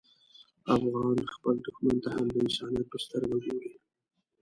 افغان خپل دښمن ته هم د انسانیت په سترګه ګوري.